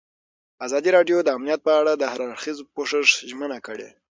ازادي راډیو د امنیت په اړه د هر اړخیز پوښښ ژمنه کړې.